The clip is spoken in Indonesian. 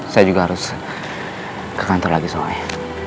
saya juga harus ke kantor lagi samamu ya